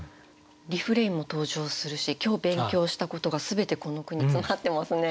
リフレインも登場するし今日勉強したことが全てこの句に詰まってますね。